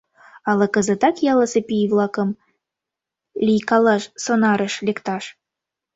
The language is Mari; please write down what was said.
Ала кызытак ялысе пий-влакым лӱйкалаш «сонарыш» лекташ...